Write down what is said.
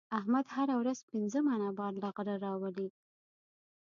احمد هره ورځ پنځه منه بار له غره راولي.